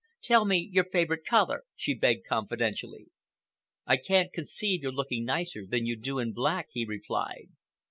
"Tell me your favorite color," she begged confidentially. "I can't conceive your looking nicer than you do in black," he replied.